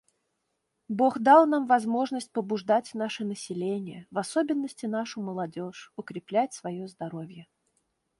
Бог дал нам возможность побуждать наше население, в особенности нашу молодежь, укреплять свое здоровье.